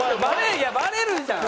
いやバレるじゃん！